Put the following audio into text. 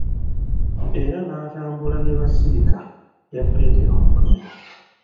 Era n'atambula ne Basilica ya Petro Omutume.